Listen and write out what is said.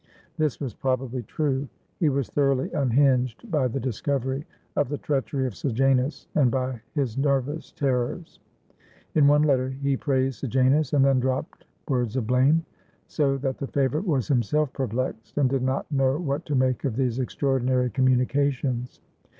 This was probably true. He was thoroughly unhinged by the discovery of the treachery of Sejanus, and by his nervous terrors. In one letter he praised Sejanus, and then dropped words of blame; so that the favorite was himself perplexed and did not know what to make of these extraordinary communi cations.